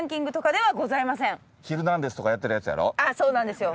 そうなんですよ。